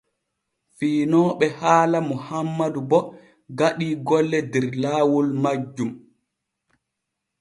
Fiinooɓe haala Mohammadu bo gaɗii golle der laawol majjum.